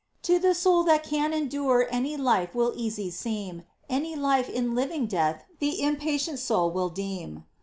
To the soul that can endure Any life will easy seem ; Any life a living death The impatient soul will deem.